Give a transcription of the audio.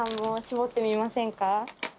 絞ってみませんか？